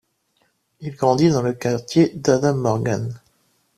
Il grandit dans le quartier d'Adams Morgan.